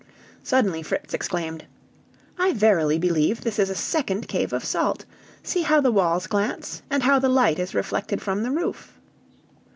Suddenly Fritz exclaimed: "I verily believe this is a second cave of salt! See how the walls glance! and how the light is reflected from the roof!"